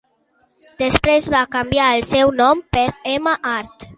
Després va canviar el seu nom per Emma Hart.